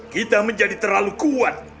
kita menjadi terlalu kuat